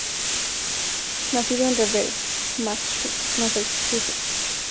Nacido en Revere, Massachusetts.